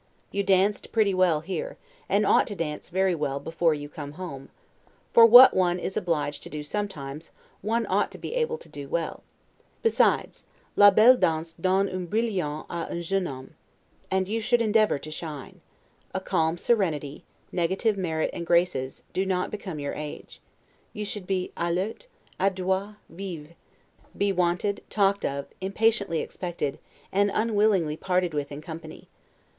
You danced pretty well here, and ought to dance very well before you come home; for what one is obliged to do sometimes, one ought to be able to do well. Besides, 'la belle danse donne du brillant a un jeune homme'. And you should endeavor to shine. A calm serenity, negative merit and graces, do not become your age. You should be 'alerte, adroit, vif'; be wanted, talked of, impatiently expected, and unwillingly parted with in company.